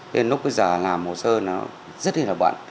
thế lúc bây giờ làm hồ sơ nó rất là bận